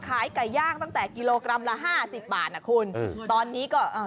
ขายไก่ย่างตั้งแต่กิโลกรัมละห้าสิบบาทอ่ะคุณตอนนี้ก็เอ่อ